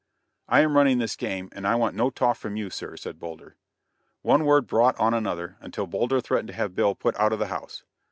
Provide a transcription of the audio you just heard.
"I am running this game, and I want no talk from you, sir," said Boulder. One word brought on another, until Boulder threatened to have Bill put out of the house.